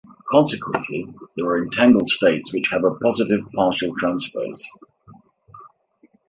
Consequently, there are entangled states which have a positive partial transpose.